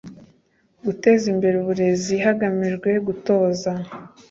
guteza imbere uburezi hagamijwe gutoza